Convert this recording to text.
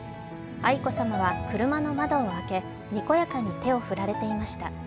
愛子さまは車の窓を開け、にこやかに手を振られていました。